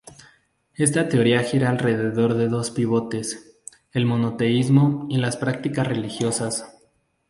Esta teoría gira alrededor de dos pivotes: el monoteísmo y las prácticas religiosas.